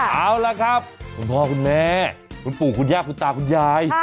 เอาล่ะครับคุณพ่อคุณแม่คุณปู่คุณย่าคุณตาคุณยาย